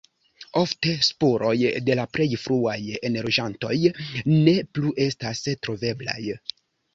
Ofte spuroj de la plej fruaj enloĝantoj ne plu estas troveblaj.